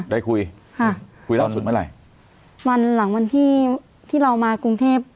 คุยค่ะคุยล่าสุดเมื่อไหร่วันหลังวันที่ที่เรามากรุงเทพ